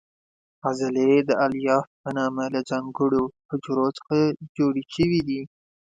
عضلې د الیاف په نامه له ځانګړو حجرو څخه جوړې شوې دي.